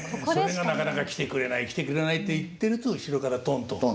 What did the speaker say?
「なかなか来てくれない来てくれない」って言ってると後ろからとんとん。